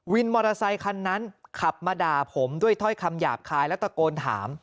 มอเตอร์ไซคันนั้นขับมาด่าผมด้วยถ้อยคำหยาบคายและตะโกนถาม